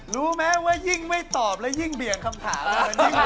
รู้ไหมว่ายิ่งไม่ตอบแล้วยิ่งเบี่ยงคำถามเลย